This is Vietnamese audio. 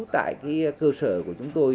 tại cái cơ sở của chúng tôi